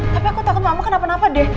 tapi aku takut sama kenapa napa deh